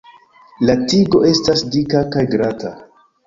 La tigo esta dika kaj glata.